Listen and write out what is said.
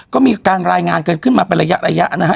ก็มีการรายงานขึ้นมาไประยะนะฮะ